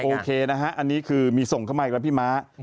โอเคนะฮะอันนี้คือมีส่งเข้ามาอีกแล้วพี่ม้า